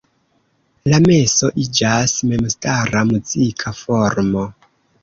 La meso iĝas memstara muzika formo.